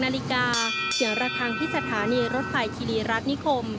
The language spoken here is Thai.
นาฬิกาเสียงระคังที่สถานีรถไฟคิรีรัฐนิคม